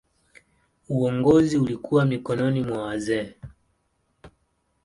Uongozi ulikuwa mikononi mwa wazee.